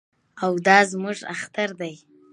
او دا زموږ اختر دی.